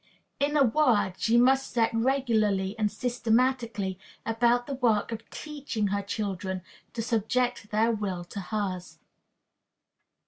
In a word, she must set regularly and systematically about the work of teaching her children to subject their will to hers.